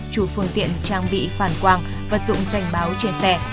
chủ phương tiện trang bị phản quang vật dụng cảnh báo trên xe